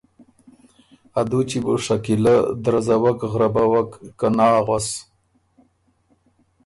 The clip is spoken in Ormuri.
ا دُوچی بُو شکیلۀ درزوک غربوک که ”نا“ غؤس۔